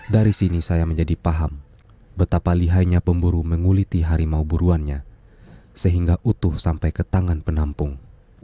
dari sini saya menjadi paham betapa lihainya pemburu menguliti harimau buruannya sehingga utuh sampai ke tangan penampung